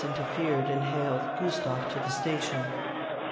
89 interfered, and haled Gustave to the station.